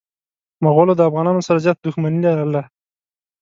مغولو د افغانانو سره زياته دښمني لرله.